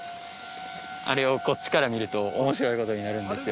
あれをこっちから見ると面白い事になるんですよ。